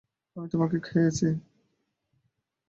আমি তোমাকে খাইয়েছি।